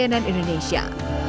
tim liputan cnn indonesia